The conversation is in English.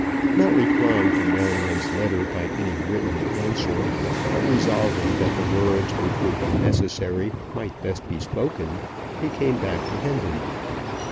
Not replying to Marion's letter by any written answer, but resolving that the words which would be necessary might best be spoken, he came back to Hendon.